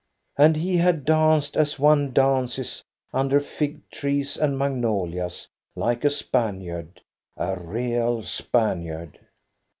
And he had danced as one dances under fig trees and magnolias, like a Spaniard, — a real Spaniard.